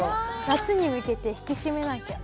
夏に向けて引き締めなきゃ。